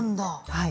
はい。